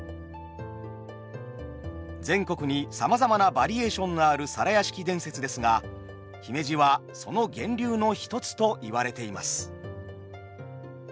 全国にさまざまなバリエーションのある皿屋敷伝説ですが姫路はその源流の一つと言われています。